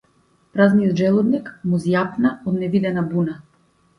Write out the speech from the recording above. Празниот желудник му зјапна од невидена буна.